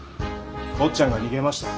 坊ちゃんが逃げました。